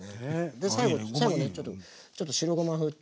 で最後にちょっと白ごまふって。